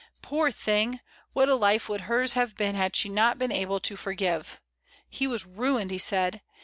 Poor thing! what a life would hers have been had she not been able to forgive. He was ruined, he said.